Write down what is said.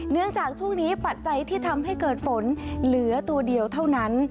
เนื่องจากช่วงนี้ปัจจัยที่ทำให้เกิดฝนเหลือตัวเดียวเท่านั้น